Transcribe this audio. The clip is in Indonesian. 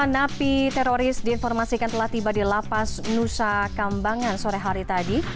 satu ratus empat puluh lima napi teroris diinformasikan telah tiba di lapas nusa kambangan sore hari tadi